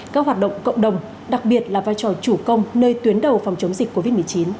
các hoạt động cộng đồng đặc biệt là vai trò chủ công nơi tuyến đầu phòng chống dịch covid một mươi chín